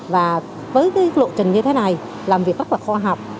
và với cái lộ trình như thế này làm việc rất là khoa học